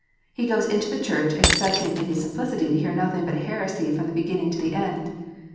He goes into the church, expecting in his simplicity to hear nothing but heresy from the beginning to the end.